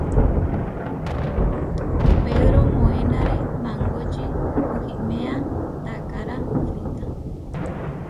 Pedró moenáre mangoči puhiméa taakára fruta.